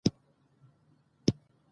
مطالعه د ذهن روح بلل سوې ده.